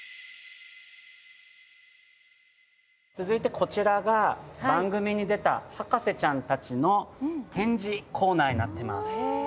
続いてこちらが番組に出た博士ちゃんたちの展示コーナーになってます。